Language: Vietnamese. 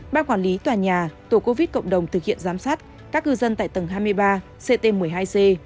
ban quản lý tòa nhà tổ covid cộng đồng thực hiện giám sát các cư dân tại tầng hai mươi ba ct một mươi hai c